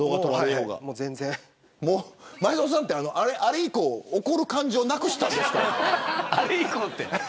前園さんは、あれ以降怒る感情なくしたんですか。